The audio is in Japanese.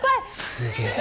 すげえ。